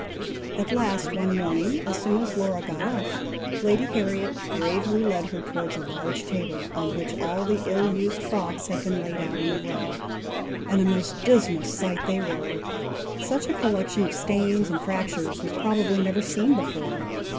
At last, one morning, as soon as Laura got up, Lady Harriet gravely led her towards a large table on which all the ill used frocks had been laid out in a row; and a most dismal sight they were! Such a collection of stains and fractures was probably never seen before!